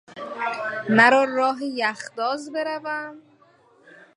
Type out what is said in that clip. مرا راه یخداز بروم